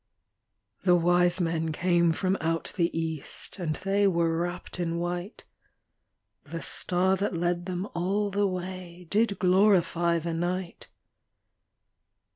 The wise men came from out the east, And they were wrapped in white; The star that led them all the way Did glorify the night.